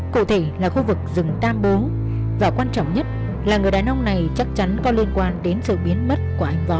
chia ra làm nhiều tổ